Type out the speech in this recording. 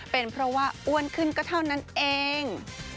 เป็นเพราะว่าอ้วนขึ้นก็เท่านั้นเอง